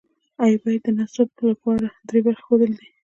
ای بیټ د نصاب لپاره درې برخې ښودلې دي.